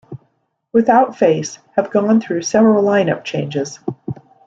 Without Face have gone through several line-up changes.